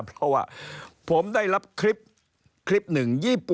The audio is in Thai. เพราะว่าผมได้รับคลิปคลิปหนึ่ง